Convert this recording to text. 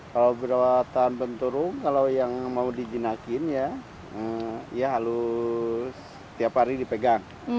kalau perawatan binturong kalau yang mau dijinakin ya ya harus tiap hari dipegang